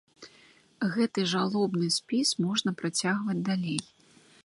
Гэты жалобны спіс можна працягваць далей.